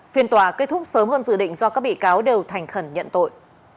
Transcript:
phiên tòa kết thúc sớm hơn dự định do các bị cáo đều thành khẩn nhận tội